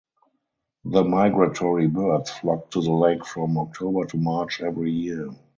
The migratory birds flock to the lake from October to March every year.